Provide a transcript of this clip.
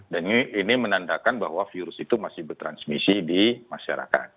dan ini menandakan bahwa virus itu masih bertransmisi di masyarakat